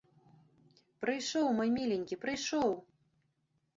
Прыйшоў мой міленькі, прыйшоў!